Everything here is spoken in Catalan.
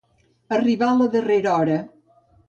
Arribar a la darrera hora.